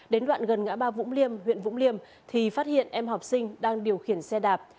đến đoạn gần ngã ba vũng liêm huyện vũng liêm thì phát hiện em học sinh đang điều khiển xe đạp